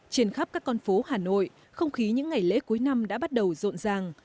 trên khắp các con phố hà nội không khí những ngày lễ cuối năm đã bắt đầu rộn ràng